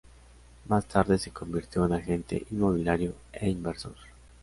Más tarde se convirtió en agente inmobiliario e inversor.